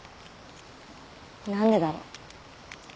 何でだろう。